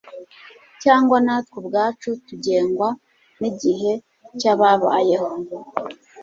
Cyangwa natwe ubwacu tugengwa nigihe cyababayeho